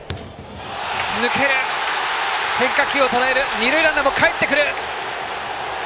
二塁ランナーもかえってくる！